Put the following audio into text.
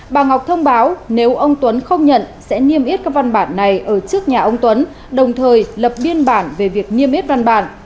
bà ngọc thông báo nếu ông tuấn không nhận sẽ niêm yết các văn bản này ở trước nhà ông tuấn đồng thời lập biên bản về việc niêm yết văn bản